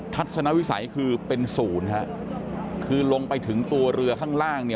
ทัศนวิสัยคือเป็นศูนย์ฮะคือลงไปถึงตัวเรือข้างล่างเนี่ย